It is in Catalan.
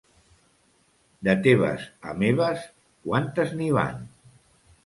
De teves a meves, quantes n'hi van?